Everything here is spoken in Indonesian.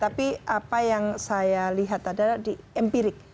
tapi apa yang saya lihat adalah di empirik